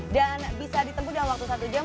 dan bisa ditempu dalam waktu satu jam